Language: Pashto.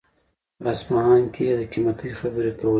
په اصفهان کې يې د قيمتۍ خبرې کولې.